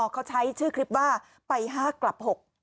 เขาใช้ชื่อคลิปว่าไป๕กลับ๖